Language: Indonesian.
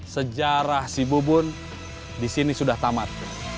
sejarah si bubun disini sudah tamat